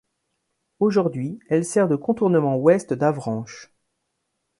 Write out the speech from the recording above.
Aujourd'hui elle sert de contournement ouest d'Avranches.